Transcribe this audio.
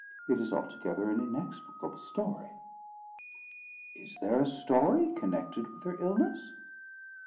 It is altogether an inexplicable story." "Is there a story connected with her illness?"